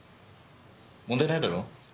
問題ないだろ？